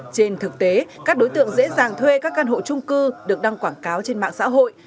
trên thực tế các đối tượng dễ dàng thuê các căn hộ trung cư được đăng quảng cáo trên mạng xã hội